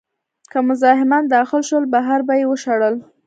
که مزاحمان داخل شول، بهر به یې وشړل.